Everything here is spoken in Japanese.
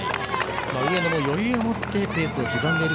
上野も余裕を持ってペースを刻んでいます。